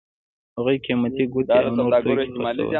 هغوی قیمتي ګوتې او نور توکي خرڅول.